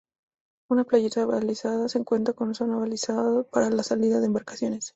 Es una playa balizada que cuenta con zona balizada para la salida de embarcaciones.